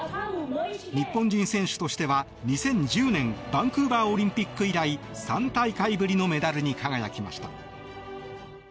日本人選手としては２０１０年バンクーバーオリンピック以来３大会ぶりのメダルに輝きました。